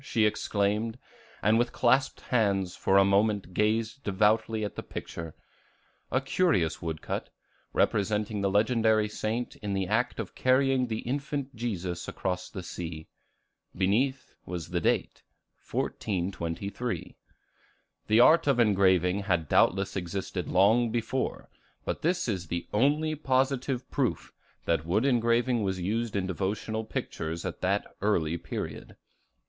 she exclaimed, and with clasped hands for a moment gazed devoutly at the picture, a curious wood cut, representing the legendary saint in the act of carrying the infant Jesus across the sea; beneath, was the date, 1423. The art of engraving had doubtless existed long before, but this is the only positive proof that wood engraving was used in devotional pictures at that early period.